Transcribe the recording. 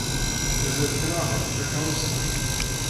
Mazal tnehhṛemt takeṛṛust-a?